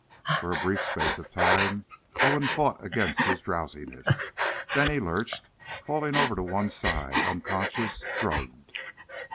For a brief space of time Owen fought against his drowsiness. Then he lurched, falling over on one side, unconscious drugged.